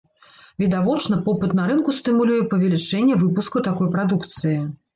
Відавочна, попыт на рынку стымулюе павелічэнне выпуску такой прадукцыі.